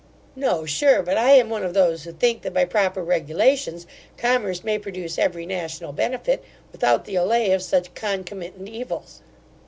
'No, sure; but I am one of those who think, that, by proper regulations, commerce may produce every national benefit, without the allay of such concomitant evils.